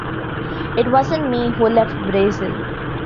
It wasn't me who left Brazil.